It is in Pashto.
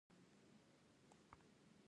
په کلي کې ژوند ارام او ډاډمن وي.